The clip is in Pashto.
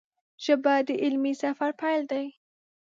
ژبه د علمي سفر پیل دی